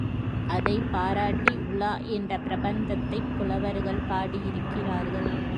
அதைப் பாராட்டி உலா என்ற பிரபந்தத்தைப் புலவர்கள் பாடியிருக்கிறார்கள்.